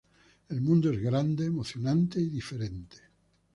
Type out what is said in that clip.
El mundo es grande, emocionante y diferente.